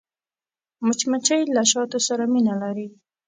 مچمچۍ له شاتو سره مینه لري